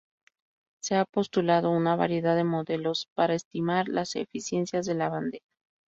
Se ha postulado una variedad de modelos para estimar las eficiencias de la bandeja.